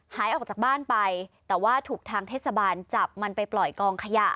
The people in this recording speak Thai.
หายออกจากบ้านไปแต่ว่าถูกทางเทศบาลจับมันไปปล่อยกองขยะ